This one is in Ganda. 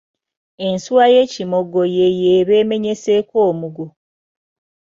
Ensuwa ey’ekimogo y’eyo eba emenyeseeko omugo.